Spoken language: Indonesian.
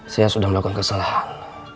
saya sudah melakukan kesalahan